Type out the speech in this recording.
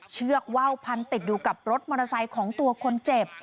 เชือกว่าวพันติดอยู่กับรถมอเตอร์ไซค์ของตัวคนเจ็บ